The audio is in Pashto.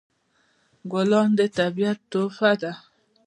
ګلان د طبیعت تحفه ده.